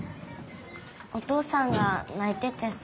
お父さんがないててさ。